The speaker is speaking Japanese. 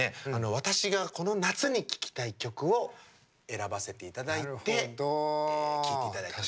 私がこの夏に聴きたい曲を選ばせていただいて聴いていただいています。